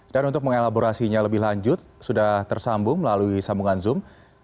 dan untuk mengelaborasinya lebih lanjut sudah tersambung melalui sambungan zoom